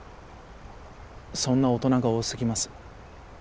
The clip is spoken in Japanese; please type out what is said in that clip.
そんな大人が多すぎます。